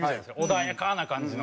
穏やかな感じの。